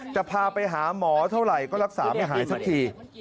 จะพาไปหาหมอเท่าไหร่ก็รักษาไม่หายสักที